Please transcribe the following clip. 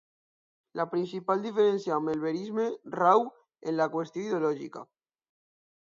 La principal diferència amb el verisme rau en la qüestió ideològica.